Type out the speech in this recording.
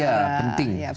ya penting sekali